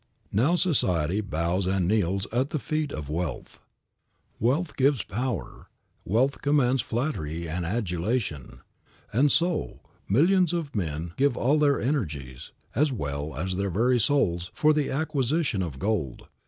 Now, society bows and kneels at the feet of wealth. Wealth gives power. Wealth commands flattery and adulation. And so, millions of men give all their energies, as well as their very souls, for the acquisition of gold.